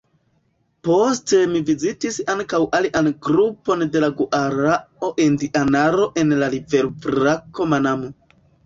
Poste mi vizitis ankaŭ alian grupon de la guarao-indianaro en la riverbrako Manamo.